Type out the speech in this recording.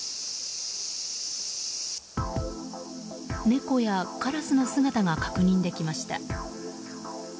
猫やカラスの姿が確認できました。